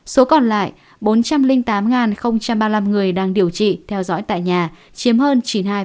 số còn lại bốn trăm linh tám ba mươi năm người đang điều trị theo dõi tại nhà chiếm hơn chín mươi hai